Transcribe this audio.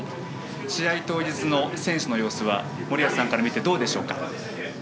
試合当日の選手の様子は森保さんから見て、どうですか？